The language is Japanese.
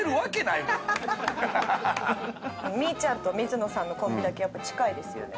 みーちゃんと水野さんのコンビだけやっぱ近いですよね。